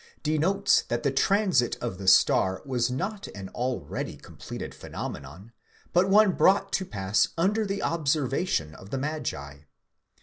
denotes that the transit of the star was not an already completed phenomenon, but one brought to pass under the observation of the magi.